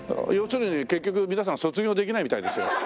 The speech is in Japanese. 要するに結局皆さん卒業できないみたいですよ。